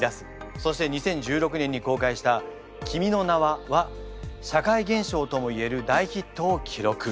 そして２０１６年に公開した「君の名は。」は社会現象ともいえる大ヒットを記録。